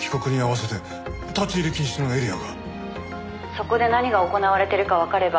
「そこで何が行われているかわかれば」